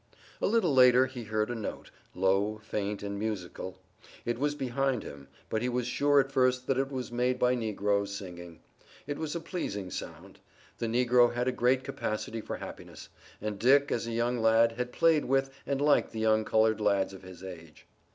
A little later he heard a note, low, faint and musical. It was behind him, but he was sure at first that it was made by negroes singing. It was a pleasing sound. The negro had a great capacity for happiness, and Dick as a young lad had played with and liked the young colored lads of his age.